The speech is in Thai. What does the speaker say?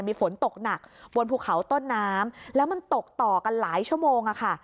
มีฝนตกหนักบนภูเขาต้นน้ำแล้วมันตกต่อกันหลายชั่วโมงอะค่ะ